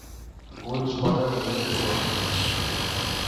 Ulls, potes i bec de color negre.